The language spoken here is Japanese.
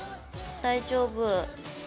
大丈夫。